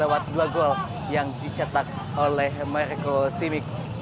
pembangunan dari persija jakarta dan mereka tahan tihitinya juga menyanyikan yel yel kemenangan